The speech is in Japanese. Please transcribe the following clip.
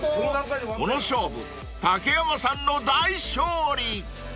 ［この勝負竹山さんの大勝利］